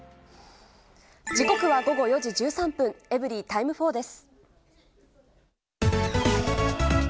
時刻は午後４時１３分、エブリィタイム４です。